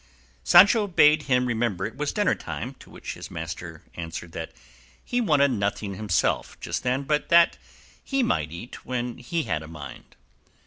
Sancho bade him remember it was dinner time, to which his master answered that he wanted nothing himself just then, but that he might eat when he had a mind.